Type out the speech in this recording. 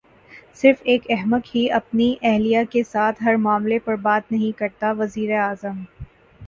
صرف ایک احمق ہی اپنی اہلیہ کے ساتھ ہر معاملے پر بات نہیں کرتا وزیراعظم